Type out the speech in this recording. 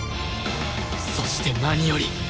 そして何より